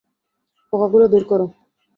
পোকাগুলো বের করো।